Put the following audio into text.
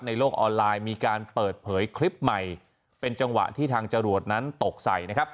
โลกออนไลน์มีการเปิดเผยคลิปใหม่เป็นจังหวะที่ทางจรวดนั้นตกใส่นะครับ